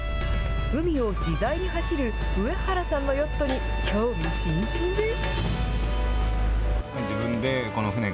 海を自在に走る上原さんのヨットに興味津々です。